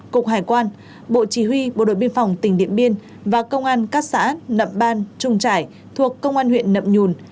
cục hải quan bộ chỉ huy bộ đội biên phòng tỉnh điện biên và công an các xã nậm ban trung trải thuộc công an huyện nậm nhùn